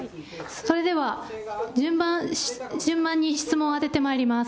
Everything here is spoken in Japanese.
それでは順番に質問、当ててまいります。